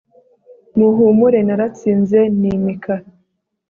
muhumure naratsinze nimika